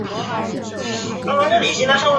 属平原微丘四级公路。